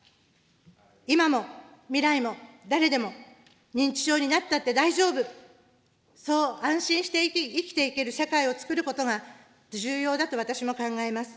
今も未来も誰でも、認知症になったって大丈夫、そう安心して生きていける社会をつくることが、重要だと私も考えます。